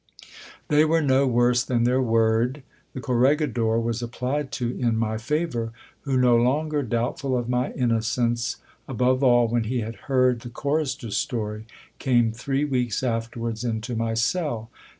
They were no worse than their word. The corregidor was applied to in my favour, who, no longer doubtful of my innocence, above all when he had heard the chorister's story, came three weeks afterwards into my cell.